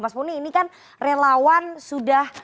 mas muni ini kan relawan sudah